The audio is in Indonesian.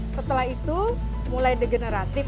setelah itu mulai degeneratif